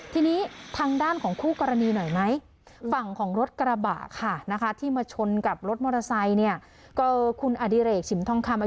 ทีนี้ทางด้านของคู่กรณีหน่อยไหม